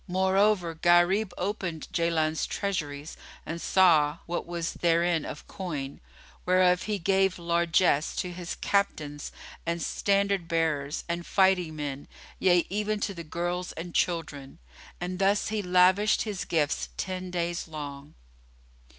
Moreover Gharib opened Jaland's treasuries and saw what was therein of coin, whereof he gave largesse to his captains and standard bearers and fighting men, yea, even to the girls and children; and thus he lavished his gifts ten days long.